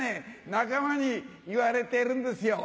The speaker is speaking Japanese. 仲間に言われてるんですよ。